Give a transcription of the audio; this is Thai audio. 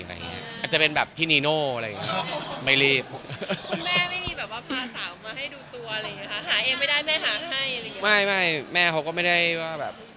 อาจจะได้พี่นีโนไม่รีบ